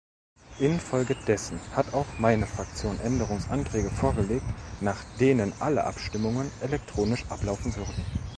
Infolgedessen hat auch meine Fraktion Änderungsanträge vorgelegt, nach denen alle Abstimmungen elektronisch ablaufen würden.